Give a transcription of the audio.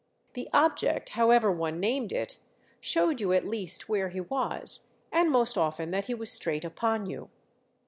The object, however one named it, showed you at least where he was, and most often that he was straight upon you.